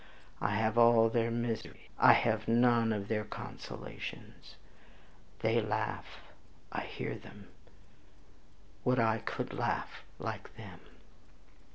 I have all their miseries, I have none of their consolations. They laugh, I hear them; would I could laugh like them.'